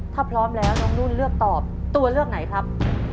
ถ้าพร้อมแล้วน้องนุ่นเลือกตอบตัวเลือกไหนครับ